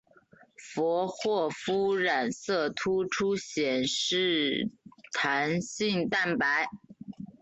佛霍夫染色突出显示弹性蛋白。